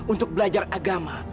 untuk belajar agama